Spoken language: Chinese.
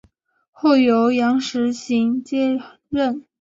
后由杨时行接任。